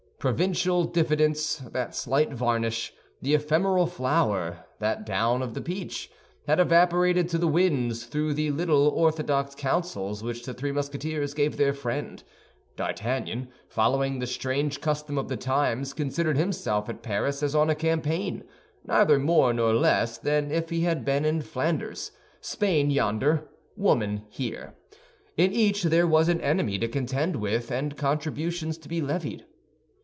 Provincial diffidence, that slight varnish, the ephemeral flower, that down of the peach, had evaporated to the winds through the little orthodox counsels which the three Musketeers gave their friend. D'Artagnan, following the strange custom of the times, considered himself at Paris as on a campaign, neither more nor less than if he had been in Flanders—Spain yonder, woman here. In each there was an enemy to contend with, and contributions to be levied.